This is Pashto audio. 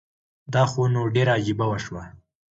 دا خو نو ډيره عجیبه وشوه